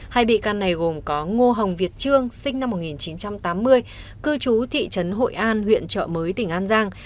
hai bị can này gồm có ngô hồng việt trương sinh năm một nghìn chín trăm tám mươi cư trú thị trấn hội an huyện trợ mới tỉnh an giang